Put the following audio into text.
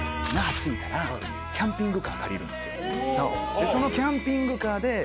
そのキャンピングカーで１週間。